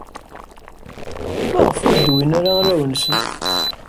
Maɣef ur d-wwin ara arraw-nsen?